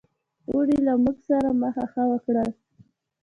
اوړي له موږ سره مخه ښه وکړل.